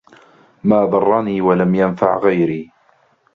مَا ضَرَّنِي وَلَمْ يَنْفَعْ غَيْرِي